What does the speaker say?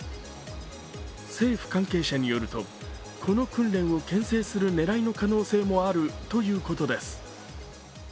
政府関係者によるとこの訓練をけん制する狙いの可能性もあるということです。